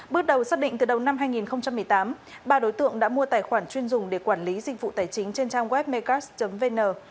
bước đầu xác định từ đầu năm hai nghìn một mươi tám ba đối tượng đã mua tài khoản chuyên dùng để quản lý dịch vụ tài chính trên trang web mecast vn